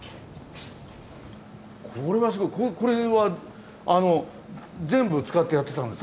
これはすごいこれは全部使ってやってたんですか？